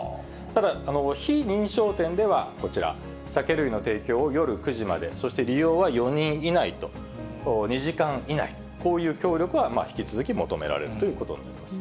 ただ、非認証店ではこちら、酒類の提供を夜９時まで、そして利用は４人以内と、２時間以内、こういう協力は引き続き求められるということになります。